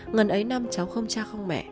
ngần ấy năm cháu không cha không mẹ